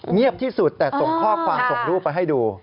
เงียบที่สุดแต่ส่งข้อความส่งรูปไปให้ดู